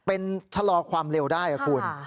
เป็นชะลอความเร็วได้ครับคุณ